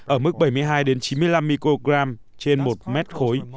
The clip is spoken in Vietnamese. ở mức bảy mươi hai chín mươi năm microgram trên một mét khối